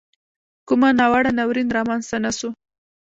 کومه ناوړه ناورین را مینځته نه سو.